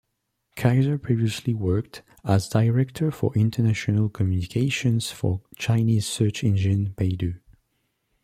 Kaiser previously worked as director for international communications for Chinese search engine Baidu.